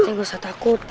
kita nggak usah takut